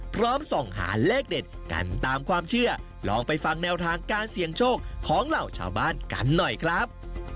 พร้อมส่องหาเลขเด็ดกันตามความเชื่อลองไปฟังแนวทางการเสี่ยงโชคของเหล่าชาวบ้านกันหน่อยครับ